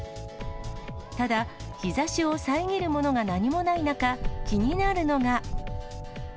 ただ、日ざしを遮るものが何もない中、気になるのが。